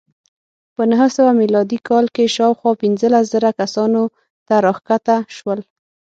په نهه سوه میلادي کال کې شاوخوا پنځلس زره کسانو ته راښکته شول